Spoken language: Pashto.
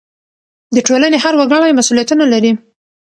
د ټولنې هر وګړی مسؤلیتونه لري.